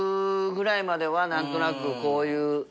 ５０ぐらいまでは何となくこういう。